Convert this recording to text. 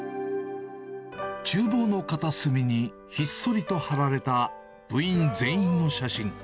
ちゅう房の片隅にひっそりと貼られた部員全員の写真。